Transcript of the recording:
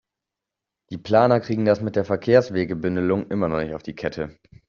Die Planer kriegen das mit der Verkehrswegebündelung immer noch nicht auf die Kette.